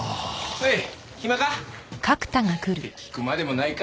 おい暇か？って聞くまでもないか。